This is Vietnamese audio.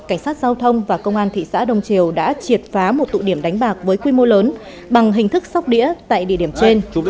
cảnh sát giao thông và công an thị xã đông triều đã triệt phá một tụ điểm đánh bạc với quy mô lớn bằng hình thức sóc đĩa tại địa điểm trên